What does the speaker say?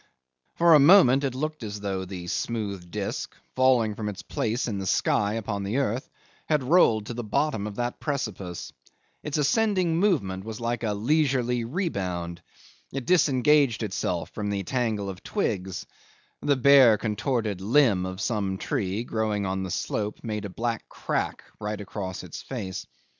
For a moment it looked as though the smooth disc, falling from its place in the sky upon the earth, had rolled to the bottom of that precipice: its ascending movement was like a leisurely rebound; it disengaged itself from the tangle of twigs; the bare contorted limb of some tree, growing on the slope, made a black crack right across its face.